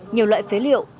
nhiều loại phế liệu